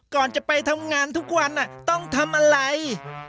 ก่อนจะไปทำงานทุกวันต้องทำอะไร